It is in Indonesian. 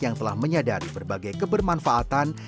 yang telah menyadari berbagai kebermanfaatan